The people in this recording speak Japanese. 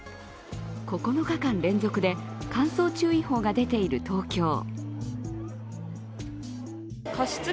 ９日間連続で乾燥注意報が出ている東京。